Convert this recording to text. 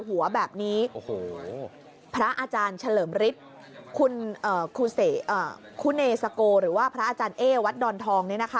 หัวแบบนี้พระอาจารย์เฉลิมฤทธิ์คุณเนสโกหรือว่าพระอาจารย์เอ๊วัดดอนทอง